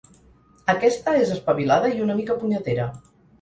Aquesta és espavilada i una mica punyetera.